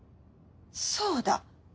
そうだ！